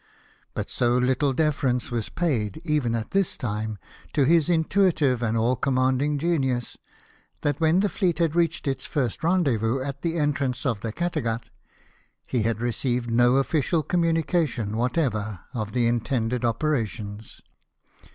But so little deference was paid, even at this time, to his intuitive and all commanding genius, that when the fleet had reached its first rendezvous at the entrance of the Cattegat, he had received no official communication whatever of the intended operations.